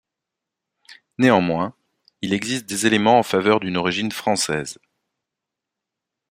Néanmoins, il existe des éléments en faveur d'une origine française.